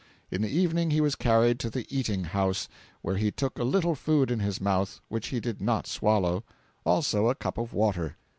In the evening he was carried to the eating house, where he took a little food in his mouth which he did not swallow; also a cup of water.